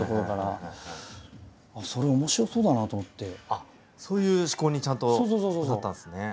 あっそういう思考にちゃんとなったんですね。